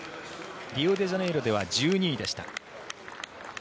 リオデジャネイロでは１２位でした。